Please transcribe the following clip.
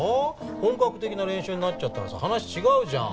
本格的な練習になっちゃったらさ話違うじゃん。